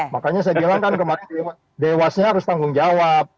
makanya saya bilang kan kemarin dewasnya harus tanggung jawab